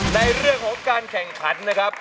ในเรื่องของการแข่งขันนะครับ